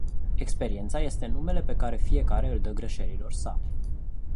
Experiența este numele pe care fiecare îl dă greșelilor sale.